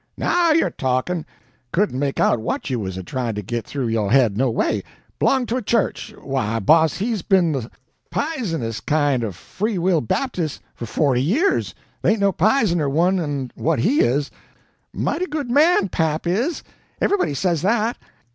"NOW you're talkin'! Couldn't make out what you was a tryin' to git through yo' head no way. B'long to a CHURCH! Why, boss, he's ben the pizenest kind of Free will Babtis' for forty year. They ain't no pizener ones 'n what HE is. Mighty good man, pap is. Everybody says that.